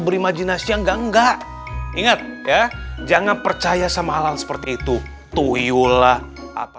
berimajinasi enggak enggak ingat ya jangan percaya sama hal seperti itu tuyulah apa